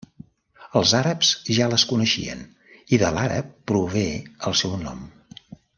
Els àrabs ja les coneixien i de l'àrab prové el seu nom.